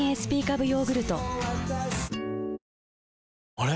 あれ？